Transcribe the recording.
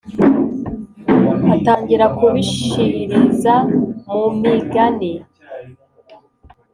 Atangira kubishiriza mumi gani